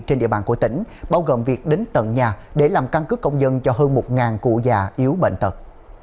trên địa bàn của tỉnh bao gồm việc đến tận nhà để làm căn cứ công dân cho hơn một cụ già yếu bệnh tật